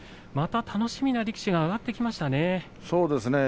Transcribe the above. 楽しみな力士が上がってきましたね。